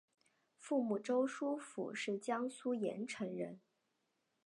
父亲周书府是江苏盐城人。